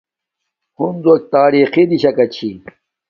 ہنزو ایکہ طاریقی دیشاکا چھِی